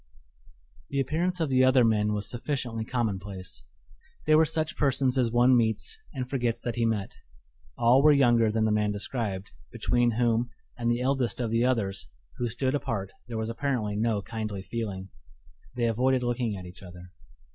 The appearance of the other men was sufficiently commonplace; they were such persons as one meets and forgets that he met. All were younger than the man described, between whom and the eldest of the others, who stood apart, there was apparently no kindly feeling. They avoided looking at each other.